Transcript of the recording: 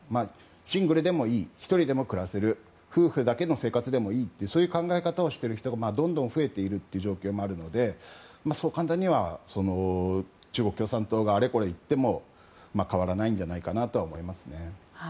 シングルでもいい１人でも暮らせる夫婦だけの生活でもいいという考え方をしている人がどんどん増えているという状況もあるのでそう簡単には中国共産党があれこれ言っても変わらないんじゃないかなと思います。